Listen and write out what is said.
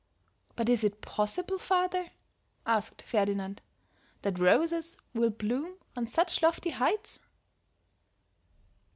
"But is it possible, father," asked Ferdinand, "that roses will bloom on such lofty heights?"